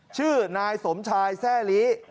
ชื่อนายสมชายแทร่ลี